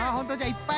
いっぱい。